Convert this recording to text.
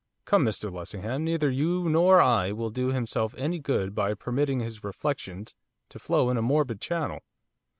'Come, Mr Lessingham, neither you nor I will do himself any good by permitting his reflections to flow in a morbid channel.